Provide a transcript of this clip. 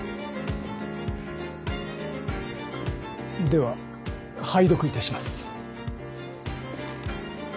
では拝読いたします。